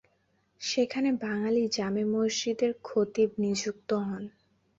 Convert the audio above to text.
সেখানে বাঙ্গালী জামে মসজিদের খতিব নিযুক্ত হন।